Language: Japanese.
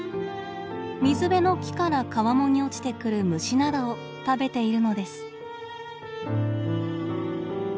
水辺の木から川面に落ちてくる虫などを食べているのです。